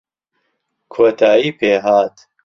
کۆتایی پێهات